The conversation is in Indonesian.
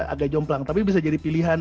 agak jomplang tapi bisa jadi pilihan